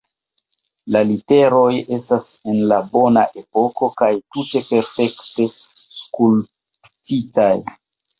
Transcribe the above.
La literoj estas el la bona epoko kaj tute perfekte skulptitaj.